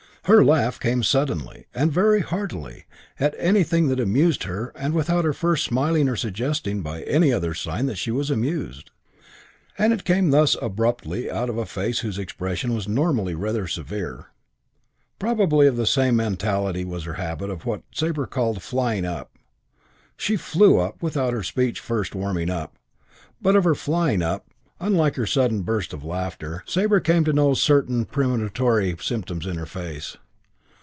Her laugh came suddenly, and very heartily, at anything that amused her and without her first smiling or suggesting by any other sign that she was amused. And it came thus abruptly out of a face whose expression was normally rather severe. Probably of the same mentality was her habit of what Sabre called "flying up." She "flew up" without her speech first warming up; but of her flying up, unlike her sudden burst of laughter, Sabre came to know certain premonitory symptoms in her face.